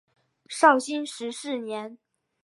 绍兴十四年。